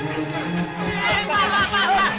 jangan bercanda pak